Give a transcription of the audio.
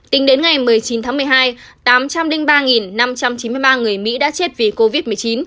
tính đến ngày một mươi chín tháng một mươi hai tám trăm linh ba năm trăm chín mươi ba người mỹ đã chết vì covid một mươi chín